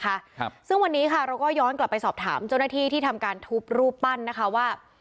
ครับซึ่งวันนี้ค่ะเราก็ย้อนกลับไปสอบถามเจ้าหน้าที่ที่ทำการทุบรูปปั้นนะคะว่า